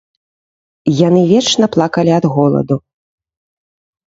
Яны вечна плакалі ад голаду.